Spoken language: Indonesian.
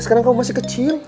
sekarang kamu masih kecil